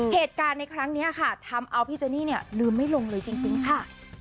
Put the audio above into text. เหตุการณ์ในครั้งนี้ค่ะทำเอาพี่เจนี่เนี่ยลืมไม่ลงเลยจริงค่ะ